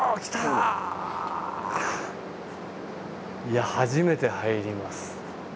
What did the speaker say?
いや初めて入ります。